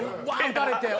打たれて。